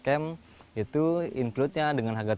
summer camp itu include nya dengan harga rp tujuh ratus lima puluh